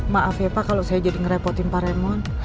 maaf ya pak kalau saya jadi ngerepotin pak raymond